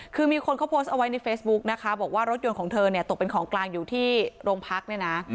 คือมีคนเขาโพสต์เอาไว้ในเฟซบุ๊กนะคะบอกว่ารถยนต์ของเธอเนี่ยตกเป็นของกลางอยู่ที่โรงพักเนี่ยนะ